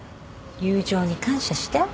友情に感謝して。